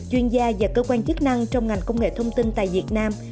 chuyên gia và cơ quan chức năng trong ngành công nghệ thông tin tại việt nam